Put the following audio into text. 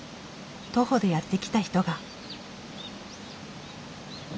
徒歩でやって来た人が。